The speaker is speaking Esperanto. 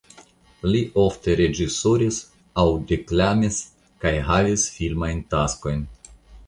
Li ofte reĝisoris aŭ deklamis kaj havis filmajn taskojn.